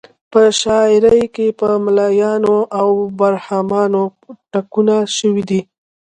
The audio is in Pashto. په شاعري کې په ملایانو او برهمنانو ټکونه شوي دي.